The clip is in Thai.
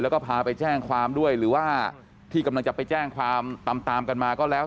แล้วก็พาไปแจ้งความด้วยหรือว่าที่กำลังจะไปแจ้งความตามตามกันมาก็แล้ว